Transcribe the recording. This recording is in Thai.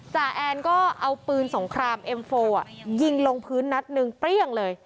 จ่าแอนก็เอาปืนสงครามเอ็มโฟยิงลงพื้นนัดหนึ่งเปรี้ยงเลย